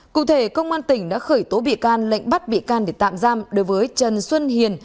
cụ thể công an tỉnh đã khởi tố bị can lệnh bắt bị can để tạm giam đối với trần xuân hiền